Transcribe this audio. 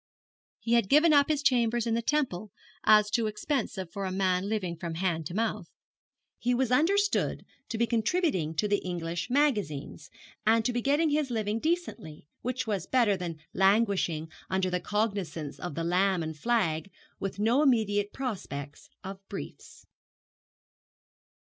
He had given up his chambers in the Temple, as too expensive for a man living from hand to mouth. He was understood to be contributing to the English magazines, and to be getting his living decently, which was better than languishing under the cognizance of the Lamb and Flag, with no immediate prospect of briefs.